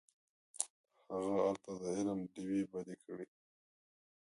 هغه هلته د علم ډیوې بلې کړې.